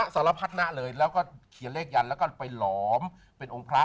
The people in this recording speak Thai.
สารพัฒนะเลยแล้วก็เขียนเลขยันแล้วก็ไปหลอมเป็นองค์พระ